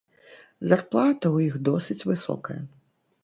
Зарплата ў іх досыць высокая.